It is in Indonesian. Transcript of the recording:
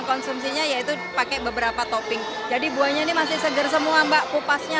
konsumsinya yaitu pakai beberapa topping jadi buahnya ini masih seger semua mbak kupasnya